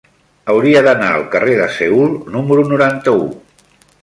Hauria d'anar al carrer de Seül número noranta-u.